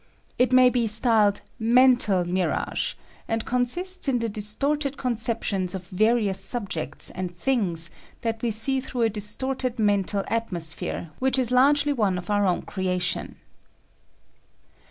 It may be styled mental mirage, and consists in the distorted conceptions of various subjects and things that we see through a dis torted mental atmosphere, which is largely one of our own creation.